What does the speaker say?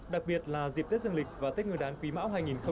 đặc biệt là dịp tết dương lịch và tết người đán quý mão hai nghìn hai mươi ba